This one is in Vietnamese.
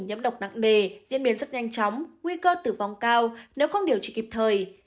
nhiễm độc nặng nề diễn biến rất nhanh chóng nguy cơ tử vong cao nếu không điều trị kịp thời